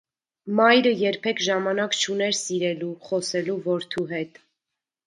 Մայրը երբեք ժամանակ չուներ սիրելու, խոսելու որդու հետ։